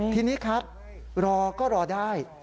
ทีนี้ครับรอก็รอได้